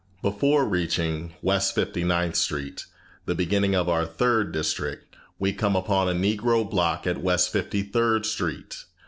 Before reaching West Fifty ninth Street, the beginning of our third district, we come upon a Negro block at West Fifty third Street.